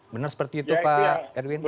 benar seperti itu pak erwin